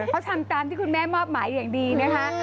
เขาทำตามที่คุณแม่มอบหมายอย่างดีนะคะ